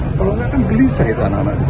kalau nggak kan gelisah itu anak anak di sana